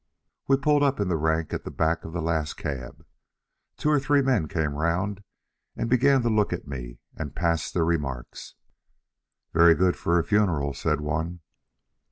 We pulled up in the rank at the back of the last cab. Two or three men came round and began to look at me and pass their remarks. "Very good for a funeral," said one.